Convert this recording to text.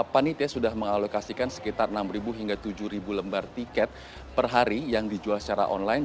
panitia sudah mengalokasikan sekitar enam hingga tujuh lembar tiket per hari yang dijual secara online